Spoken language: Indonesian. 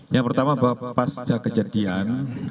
yang pertama bahwa pasca kejadian